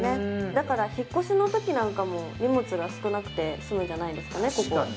だから引っ越しのときなんかも荷物が少なくて済むんじゃないですかね、ここ。